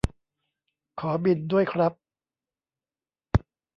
ขอบิลด้วยครับ